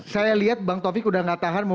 saya lihat bang taufik sudah tidak tahan